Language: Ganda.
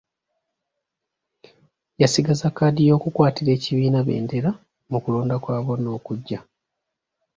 Yasigaza kkaadi y'okukwatira ekibiina bendera mu kulonda kwa bonna okujja.